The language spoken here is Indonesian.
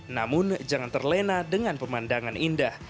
namun jangan terlena dengan pemandangan indah